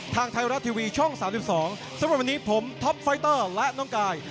ทางไทยรัฐทีวีช่อง๓๒สำหรับวันนี้ผมท็อปไฟเตอร์และน้องกาย